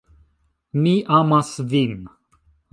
Mi amas vin